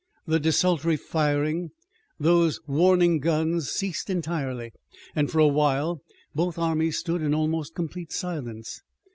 The desultory firing, those warning guns, ceased entirely, and for a while both armies stood in almost complete silence.